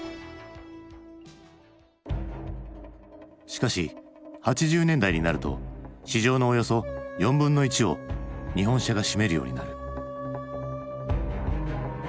しかし８０年代になると市場のおよそ４分の１を日本車が占めるようになる。